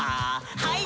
はい。